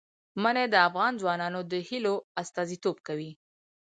منی د افغان ځوانانو د هیلو استازیتوب کوي.